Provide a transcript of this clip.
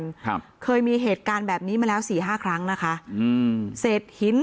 ครับเคยมีเหตุการณ์แบบนี้มาแล้วสี่ห้าครั้งนะคะอืมเศษหิน